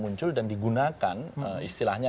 muncul dan digunakan istilahnya